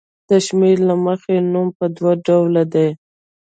د شمېر له مخې نوم په دوه ډوله دی.